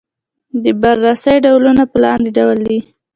د بررسۍ ډولونه په لاندې ډول دي.